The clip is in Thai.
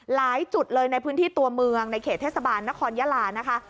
หลายจุดเลยในพื้นที่ตัวเมืองในเขตเทศบาลนครยาลานะคะ